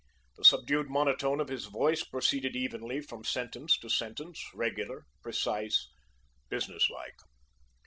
The subdued monotone of his voice proceeded evenly from sentence to sentence, regular, precise, businesslike.